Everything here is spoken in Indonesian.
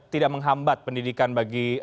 tidak menghambat pendidikan bagi